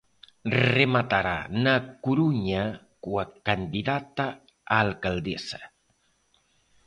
Rematará na Coruña coa candidata a alcaldesa.